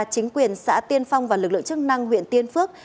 chính quyền xã tiên phong và lực lượng chức năng huyện tiên phước